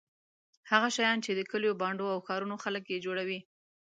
هغه شیان چې د کلیو بانډو او ښارونو خلک یې جوړوي.